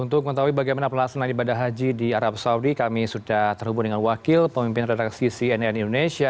untuk mengetahui bagaimana pelaksanaan ibadah haji di arab saudi kami sudah terhubung dengan wakil pemimpin redaksi cnn indonesia